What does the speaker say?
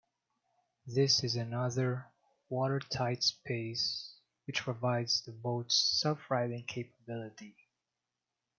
This is another water-tight space which provides the boat's self-righting capability.